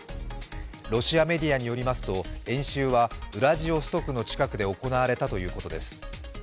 ロシアメディアによりますと、演習はウラジオストクの近くで行われたということです。